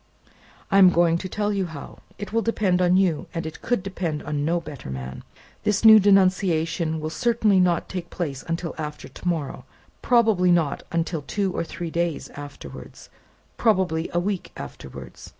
"I am going to tell you how. It will depend on you, and it could depend on no better man. This new denunciation will certainly not take place until after to morrow; probably not until two or three days afterwards; more probably a week afterwards.